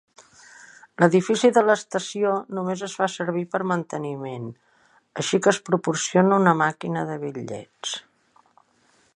L'edifici de l'estació només es fa servir per manteniment, així que es proporciona una maquina de bitllets.